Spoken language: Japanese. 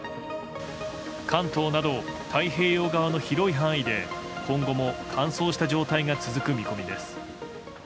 関東など太平洋側の広い範囲で今後も乾燥した状態が続く見込みです。